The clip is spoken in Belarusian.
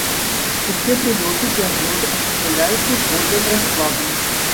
Усе прылёты і адлёты ажыццяўляюцца згодна з раскладам.